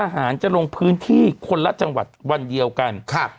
หารจะลงพื้นที่คนละจังหวัดวันเดียวกัน